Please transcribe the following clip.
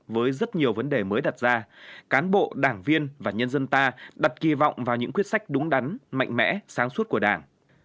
với rất nhiều vấn đề mới đặt ra cán bộ đảng viên và nhân dân ta đặt kỳ vọng vào những quyết sách đúng đắn mạnh mẽ sáng suốt của đảng